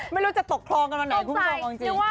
ไม่รู้จะกระเทาหรรือกันบทมองจริงนะ